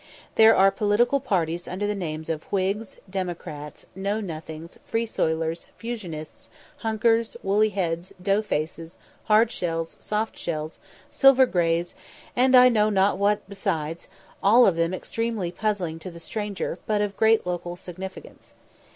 There are political parties under the names of Whigs, Democrats, Know nothings, Freesoilers, Fusionists, Hunkers, Woolly heads, Dough faces, Hard shells, Soft shells, Silver greys, and I know not what besides; all of them extremely puzzling to the stranger, but of great local significance.